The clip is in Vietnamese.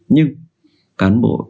nhưng cán bộ